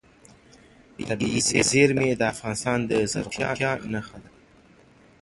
طبیعي زیرمې د افغانستان د زرغونتیا نښه ده.